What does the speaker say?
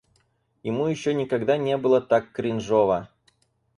Ему ещё никогда не было так кринжово.